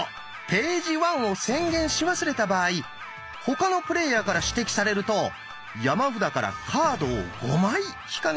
「ページワン」を宣言し忘れた場合他のプレイヤーから指摘されると山札からカードを５枚引かなければならないんです。